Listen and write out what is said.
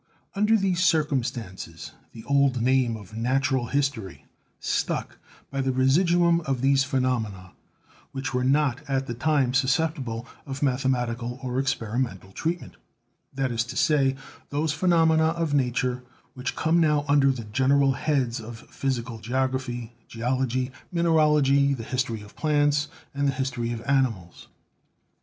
Under these circumstances the old name of "Natural History" stuck by the residuum of those phenomena which were not, at that time, susceptible of mathematical or experimental treatment; that is to say, those phenomena of nature which come now under the general heads of physical geography, geology, mineralogy, the history of plants, and the history of animals.